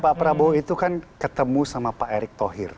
pak prabowo itu kan ketemu sama pak erick thohir